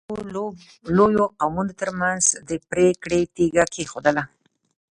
علي د دوو لویو قومونو ترمنځ د پرېکړې تیږه کېښودله.